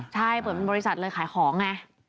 ใช่เปิดเป็นบริษัทเลยขายของไง